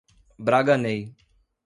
Braganey